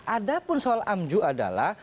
ada pun soal amju adalah